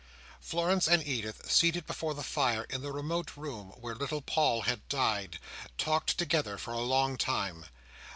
Florence and Edith, seated before the fire in the remote room where little Paul had died, talked together for a long time.